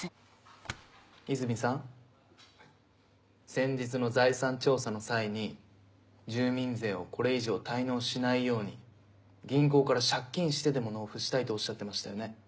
先日の財産調査の際に住民税をこれ以上滞納しないように銀行から借金してでも納付したいとおっしゃってましたよね。